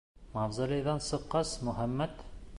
Мавзолейҙән сыҡҡас, Мөхәммәт: